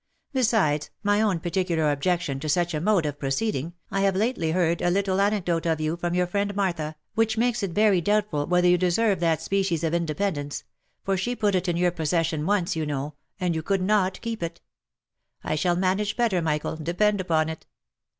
Besides my own particular ob jection to such a mode of proceeding, I have lately heard a little anecdote of you, from your friend Martha, which makes it very doubtful whether you deserve that species of independence — for she put it in your possession once, you know — and you could not keep it. I shall manage better, Michael, depend upon it.